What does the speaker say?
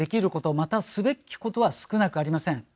またすべきことは少なくありません。